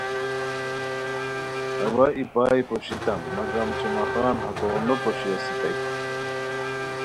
اوا ای پائے پوشیتام مگم جمعہ خان ہتو نو پوشی اسیتائے